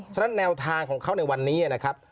ฉะนั้นแนวทางของเขาในวันนี้นะครับ